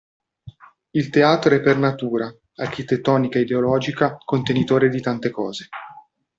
Il teatro è per natura, architettonica e ideologica, contenitore di tante cose.